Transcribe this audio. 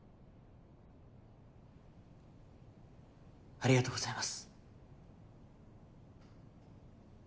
ありがとうございます。